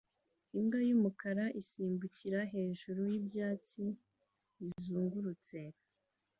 Imbwa y'umukara isimbukira hejuru y'ibyatsi bizungurutse